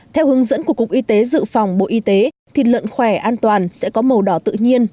theo hướng dẫn của cục y tế dự phòng bộ y tế thịt lợn khỏe an toàn sẽ có màu đỏ tự nhiên